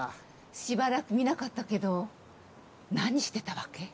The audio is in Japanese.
しばらく見なかったけど何してたわけ？